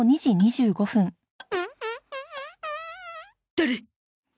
誰！？